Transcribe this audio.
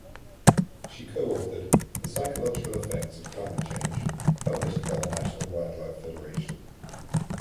She co-authored "The Psychological Effects of Climate Change" published by the National Wildlife Federation.